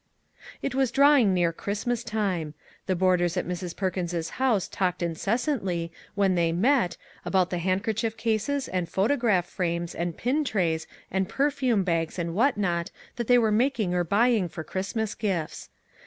It was drawing near Christmas time. The boarders at Mrs. Perkins's house talked inces santly, when they met, about the handkerchief cases, and photograph frames, and pin trays, and perfume bags, and what not, that they were making or buying for Christmas gifts.